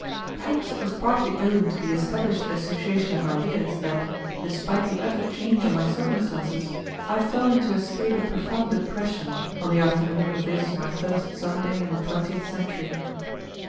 Perhaps it was partly owing to the established association of ideas that, despite the utter change in my circumstances, I fell into a state of profound depression on the afternoon of this my first Sunday in the twentieth century.